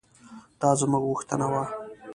دا زموږ غوښتنه وه.